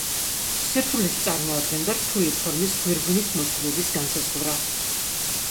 სირთულეს წარმოადგენდა რთული ფორმის გვირგვინის მოცულობის განსაზღვრა.